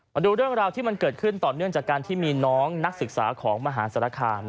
มาดูเรื่องราวที่มันเกิดขึ้นต่อเนื่องจากการที่มีน้องนักศึกษาของมหาศาลคาม